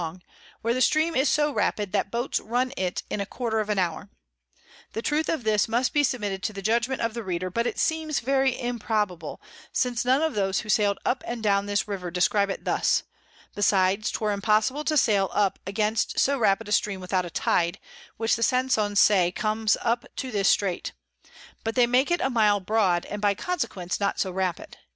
long; where the Stream is so rapid, that Boats run it in a quarter of an hour. The Truth of this must be submitted to the Judgment of the Reader, but it seems very improbable, since none of those who sail'd up and down this River describe it thus: besides, 'twere impossible to sail up against so rapid a Stream without a Tide, which the Sansons say comes up to this Strait; but they make it a mile broad, and by consequence not so rapid.